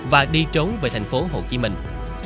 và đi trốn về thành phố hồ chí minh